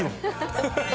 ハハハハ。